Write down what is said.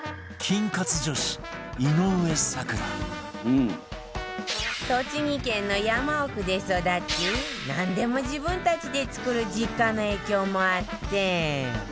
菌活女子栃木県の山奥で育ちなんでも自分たちで作る実家の影響もあって